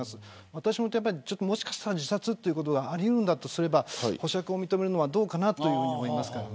私も自殺ということがあり得るとすれば保釈を認めるのはどうかと思います。